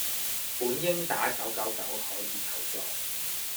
本應打九九九可以求助